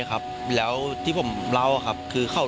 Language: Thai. รถแสงทางหน้า